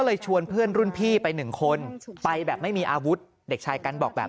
ชวนเพื่อนรุ่นพี่ไปหนึ่งคนไปแบบไม่มีอาวุธเด็กชายกันบอกแบบ